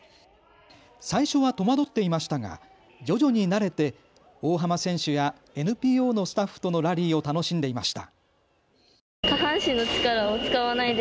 最初は戸惑っていましたが徐々に慣れて大濱選手やＮＰＯのスタッフとのラリーを楽しんでいました。